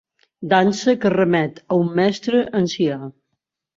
Dansa que remet a un mestre ancià.